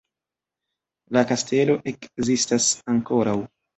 La kastelo ekzistas ankoraŭ.